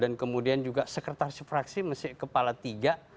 dan kemudian juga sekretaris fraksi masih kepala tiga